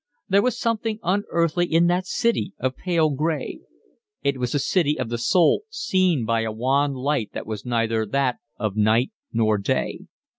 There was something unearthly in that city of pale gray. It was a city of the soul seen by a wan light that was neither that of night nor day.